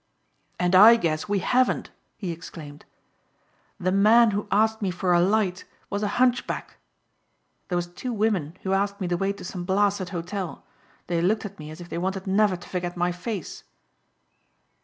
"And I guess we haven't," he exclaimed. "The man who asked me for a light was a hunchback. There was two women who asked me the way to some blasted hotel. They looked at me as if they wanted never to forget my face."